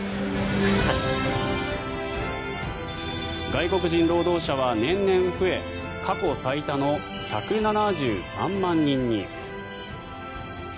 外国人労働者は年々増え過去最多の１７３万人に。